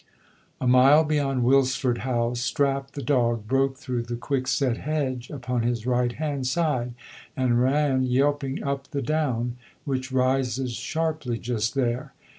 A mile beyond Wilsford House, Strap, the dog, broke through the quick set hedge upon his right hand side and ran yelping up the down, which rises sharply just there.